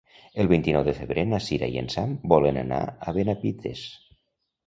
El vint-i-nou de febrer na Sira i en Sam volen anar a Benavites.